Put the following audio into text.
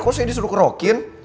kok saya disuruh kerokin